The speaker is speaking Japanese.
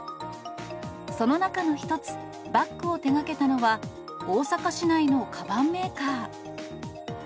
その中の一つ、バッグを手がけたのは、大阪市内のかばんメーカー。